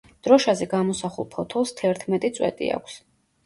დროშაზე გამოსახულ ფოთოლს თერთმეტი წვეტი აქვს.